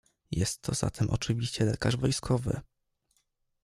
"Jest to zatem oczywiście lekarz wojskowy."